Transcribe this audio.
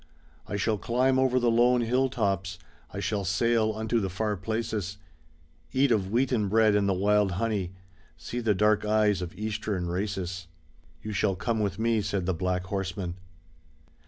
I shall climb over the lone hill tops, I shall sail unto the far places. Eat of wheaten bread and the wild honey, See the dark eyes of Eastern races. "You shall come with me," said the black horseman.